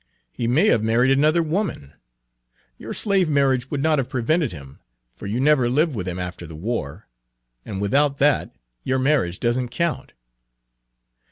"He may have married another woman. Page 15 Your slave marriage would not have prevented him, for you never lived with him after the war, and without that your marriage does n't count."